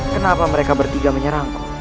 kenapa mereka bertiga menyerangku